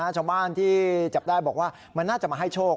ชาวบ้านที่จับได้บอกว่ามันน่าจะมาให้โชค